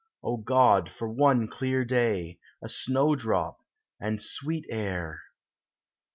— God, for one clear day, a snowdrop, and sweet air!